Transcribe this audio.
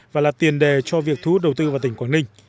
và là tiền đề cho việc thu hút đầu tư vào tỉnh quảng ninh